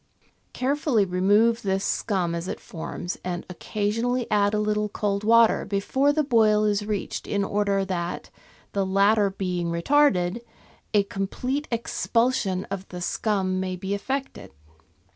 Carefully remove this scum as it forms, and occasionally add a little cold water before the boil is reached in order that, the latter being retarded, a complete expulsion of the scum may be effected.